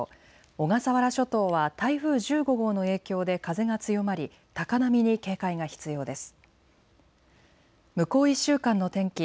小笠原諸島は台風１５号の影響で風が強まり高波に警戒が必要です。